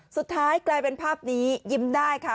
สุดท้ายกลายเป็นภาพนี้ยิ้มได้ค่ะ